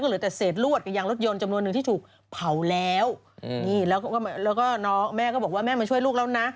เหลือแต่เศษลวดไปยางรถยนต์จำนวนหนึ่งที่ถูกเผาแล้วนี่แล้วก็น้องแม่ก็บอกว่าแม่มาช่วยลูกแล้วนะ